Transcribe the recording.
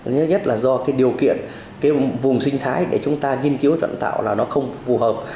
nhất là do cái điều kiện cái vùng sinh thái để chúng ta nghiên cứu chọn tạo là nó không phù hợp